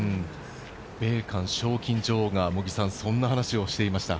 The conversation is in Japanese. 米韓賞金女王がそんな話をしていました。